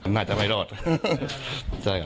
น่าจะไม่รอดจะครับ